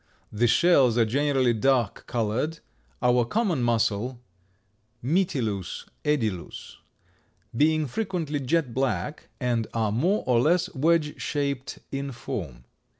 The shells are generally dark colored, our common mussel (Mytilus edulis) being frequently jet black, and are more or less wedge shaped in form.